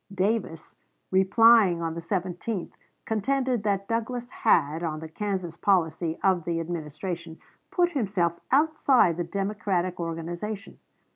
Davis, replying on the 17th, contended that Douglas had, on the Kansas policy of the Administration, put himself outside the Democratic organization.